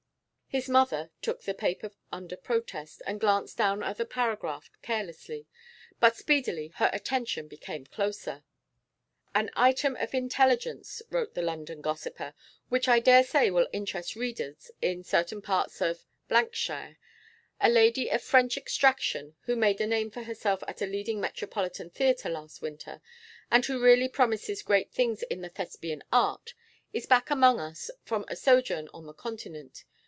His mother took the paper under protest, and glanced down at the paragraph carelessly. But speedily her attention became closer. 'An item of intelligence,' wrote the London gossiper, 'which I dare say will interest readers in certain parts of shire. A lady of French extraction who made a name for herself at a leading metropolitan theatre last winter, and who really promises great things in the Thespian art, is back among us from a sojourn on the Continent.